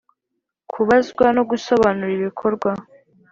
kubazwa no gusobanura ibikorwa